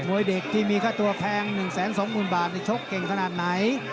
วยเด็กที่มีค่าตัวแพง๑๒๐๐๐บาทชกเก่งขนาดไหน